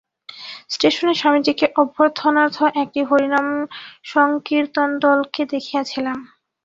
ষ্টেশনে স্বামীজীকে অভ্যর্থনার্থ একটি হরিনাম-সংকীর্তনদলকে দেখিয়াছিলাম।